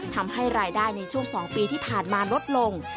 ทำให้รายได้ในช่วง๒ปีที่ผ่านมาลดลง